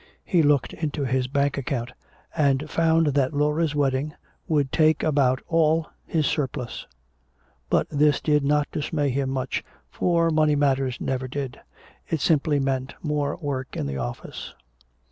He looked into his bank account and found that Laura's wedding would take about all his surplus. But this did not dismay him much, for money matters never did. It simply meant more work in the office.